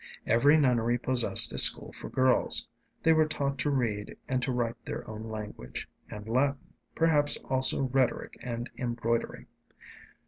Every nunnery possessed a school for girls. They were taught to read and to write their own language and Latin, perhaps also rhetoric and embroidery.